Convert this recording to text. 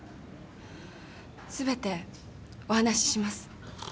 すべてお話しします。